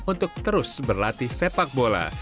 untuk terus berlatih sepak bola